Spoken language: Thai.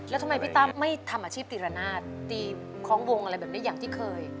แล้วทำไมพี่ตั้มไม่ทำอาชีพตีระนาดตีคล้องวงอะไรแบบนี้อย่างที่เคย